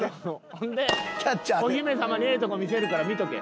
ほんでお姫様にええとこ見せるから見とけ。